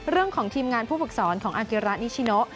เรื่องของทีมงานผู้ฝึกสอนของอาเกอรานิชิโน